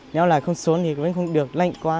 nếu là không xuống thì cũng không được lạnh quá